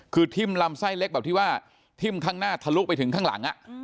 คือทิ้มลำไส้เล็กแบบที่ว่าทิ้มข้างหน้าทะลุไปถึงข้างหลัง